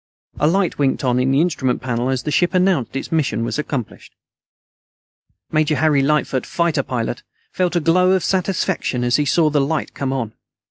A light winked on on the instrument panel as the ship announced its mission was accomplished. Major Harry Lightfoot, fighter pilot, felt a glow of satisfaction as he saw the light come on.